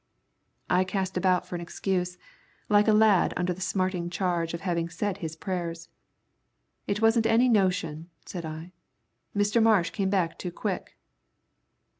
I cast about for an excuse, like a lad under the smarting charge of having said his prayers. "It wasn't any notion," said I; "Mr. Marsh came back too quick."